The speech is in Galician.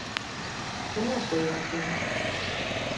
Quen apoia que?